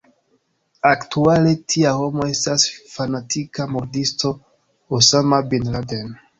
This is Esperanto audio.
Aktuale tia homo estas fanatika murdisto Osama bin Laden.